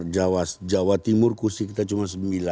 jawa timur kursi kita cuma sembilan